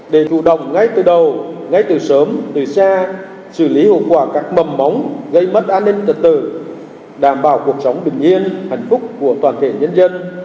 để chủ động ngay từ đầu ngay từ sớm từ xa xử lý hậu quả các mầm móng gây mất an ninh trật tự đảm bảo cuộc sống bình yên hạnh phúc của toàn thể nhân dân